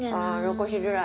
残しづらい。